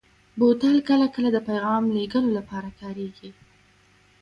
بوتل کله کله د پیغام لېږلو لپاره کارېږي.